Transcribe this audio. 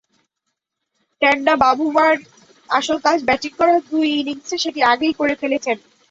Tenda বাভুমার আসল কাজ batting করা, দুই ইনিংসে সেটি আগেই করে ফেলেছেন।